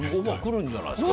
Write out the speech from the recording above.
来るんじゃないですか？